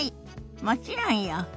もちろんよ。